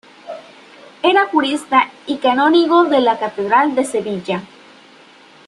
Era jurista y canónigo de la catedral de Sevilla.